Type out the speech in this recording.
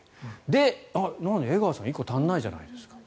で、江川さん１個足らないじゃないですか。